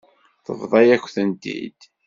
Tebḍa-yak-tent-id.